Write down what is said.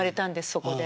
そこで。